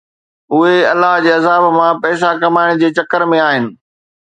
اهي الله جي عذاب مان پئسا ڪمائڻ جي چڪر ۾ آهن